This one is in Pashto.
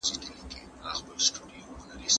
دا سفر له هغه اسانه دی.